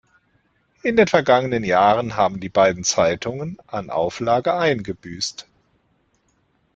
In den vergangenen Jahren haben die beiden Zeitungen an Auflage eingebüßt.